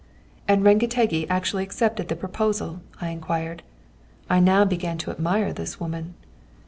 '" "And Rengetegi actually accepted the proposal?" I inquired. I now began to admire this woman.